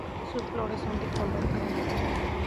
Sus flores son de color crema.